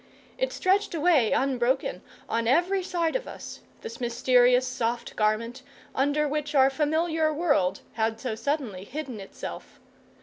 It stretched away unbroken on every side of us, this mysterious soft garment under which our familiar world had so suddenly hidden itself.